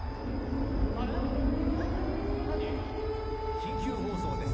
緊急放送です。